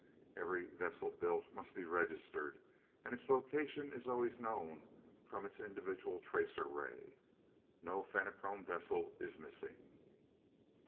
Every vessel built must be registered, and its location is always known from its individual tracer ray. No Fenachrone vessel is missing."